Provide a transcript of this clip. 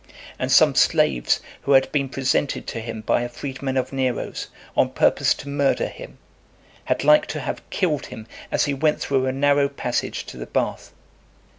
And some slaves who had been presented to him by a freedman of Nero's, on purpose to murder him, had like to have killed him as he went through a narrow passage to the bath.